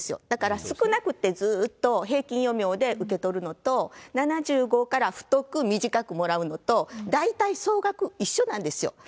だから少なくって、ずっと平均余命で受け取るのと７５から太く短くもらうのと、大体総額一緒なんですよ。